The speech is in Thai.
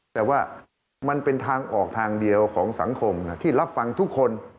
แต่ว่ามันเป็นทางออกทางเดียวของสังคมที่รับฟังทุกคน